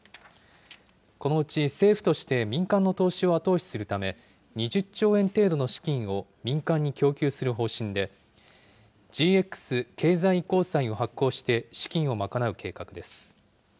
このうち政府として民間の投資を後押しするため、２０兆円程度の資金を民間に供給する方針で、ＧＸ経済移行債を発行して資金を賄う計画です。